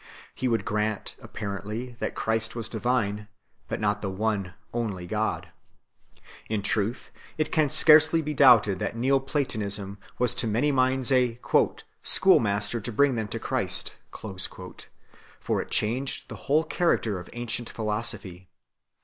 He would grant, apparently, that Christ was divine, but not the one only God. In truth, it can scarcely be doubted that Neo Platonism was to many minds a "schoolmaster to bring them to Christ;" for it changed the whole character of ancient philosophy.